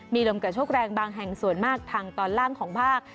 มีลมกระโชคแรงบางแห่งส่วนมากทางตอนล่างของภาค